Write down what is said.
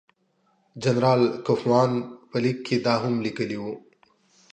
جنرال کوفمان په لیک کې دا هم لیکلي وو.